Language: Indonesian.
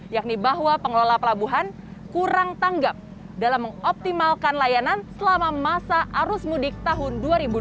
yakni bahwa pengelola pelabuhan kurang tanggap dalam mengoptimalkan layanan selama masa arus mudik tahun dua ribu dua puluh